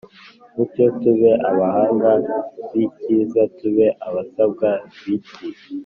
mucyo tube abahanga b’icyiza, tube abaswa b’ikibi